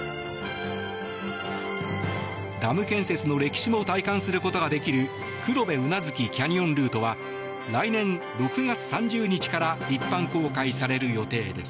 ダム建設の歴史も体感することができる黒部宇奈月キャニオンルートは来年６月３０日から一般公開される予定です。